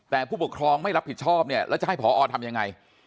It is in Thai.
แต่ผู้ปกครองไม่รับผิดชอบเนี่ยแล้วจะให้ผอทำยังไง